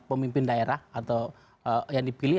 pemimpin daerah atau yang dipilih